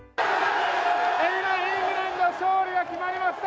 今、イングランド勝利が決まりました。